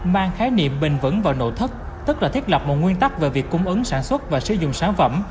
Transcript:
mang khái niệm bền vững vào nội thất tức là thiết lập một nguyên tắc về việc cung ứng sản xuất và sử dụng sản phẩm